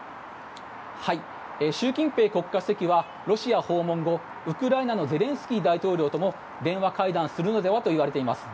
習近平国家主席はロシア訪問後ウクライナのゼレンスキー大統領とも電話会談するのではといわれています。